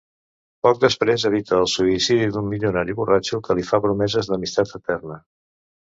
Poc després evita el suïcidi d'un milionari borratxo, que li fa promeses d'amistat eterna.